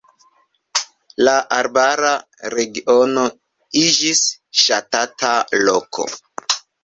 La arbara regiono iĝis ŝatata loko.